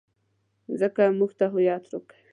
مځکه موږ ته هویت راکوي.